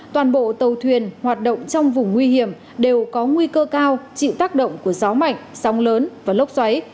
toàn bộ tàu thuyền hoạt động trong vùng nguy hiểm đều có nguy cơ cao chịu tác động của gió mạnh sóng lớn và lốc xoáy